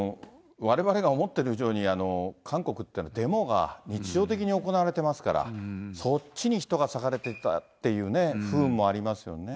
われわれが思っている以上に、韓国ってデモが日常的に行われてますから、そっちに人が割かれていったっていう不運もありますよね。